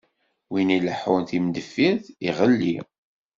Win ileḥḥun timendeffirt, iɣelli.